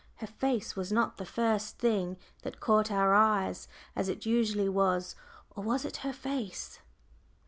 Her face was not the first thing that caught our eyes, as it usually was; or was it her face?